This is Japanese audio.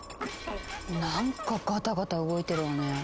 なんかガタガタ動いてるわね。